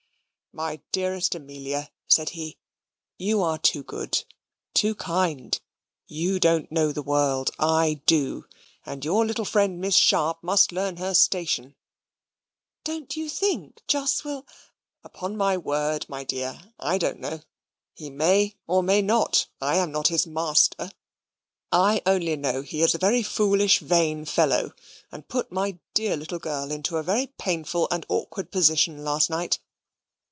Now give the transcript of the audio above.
"My dearest Amelia," said he, "you are too good too kind. You don't know the world. I do. And your little friend Miss Sharp must learn her station." "Don't you think Jos will " "Upon my word, my dear, I don't know. He may, or may not. I'm not his master. I only know he is a very foolish vain fellow, and put my dear little girl into a very painful and awkward position last night.